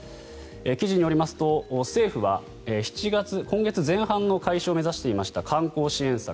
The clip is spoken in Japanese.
記事によりますと政府は今月前半の開始を目指していました観光支援策